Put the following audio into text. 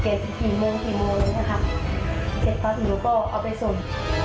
เปลี่ยนกี่โมงกี่โมงเลยนะคะเสร็จอัพอยู่ก็เอาไปส่ง